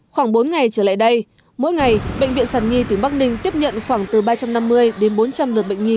khoảng bốn ngày trở lại đây mỗi ngày bệnh viện sàn nhi tỉnh bắc ninh tiếp nhận khoảng từ ba trăm năm mươi bốn trăm linh đợt bệnh nhi